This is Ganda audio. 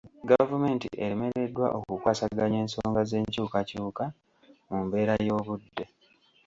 Gavumenti eremeddwa okukwasaganya ensonga z'enkyukakyuka mu mbeera y'obudde.